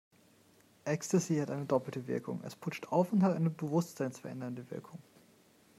Ecstasy hat eine doppelte Wirkung: Es putscht auf und hat eine bewusstseinsverändernde Wirkung.